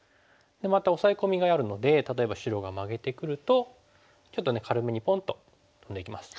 でまたオサエ込みがあるので例えば白がマゲてくるとちょっとね軽めにポンとトンでいきます。